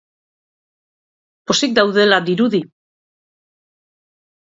Pozik daudela dirudi!